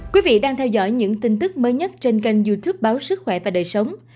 các bạn đang theo dõi những tin tức mới nhất trên kênh youtube báo sức khỏe và đời sống